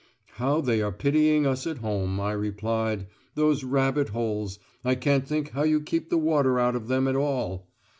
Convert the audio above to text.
"How they are pitying us at home," I replied. "'Those rabbit holes! I can't think how you keep the water out of them at all!